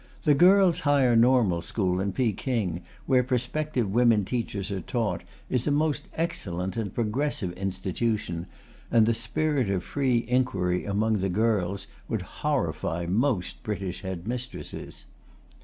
The Girls' Higher Normal School in Peking, where prospective women teachers are taught, is a most excellent and progressive institution, and the spirit of free inquiry among the girls would horrify most British head mistresses.